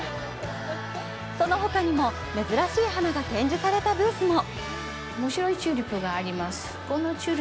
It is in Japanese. そのほかにも珍しい花が展示されたブースも。